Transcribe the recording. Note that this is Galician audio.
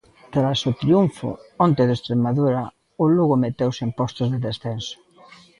Tras o triunfo, onte do Estremadura o Lugo meteuse en postos de descenso.